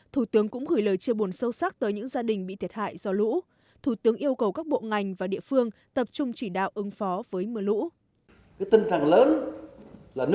thủ tướng cũng gửi lời chia buồn sâu sắc tới những gia đình bị thiệt hại do lũ thủ tướng yêu cầu các bộ ngành và địa phương tập trung chỉ đạo ứng phó với mưa lũ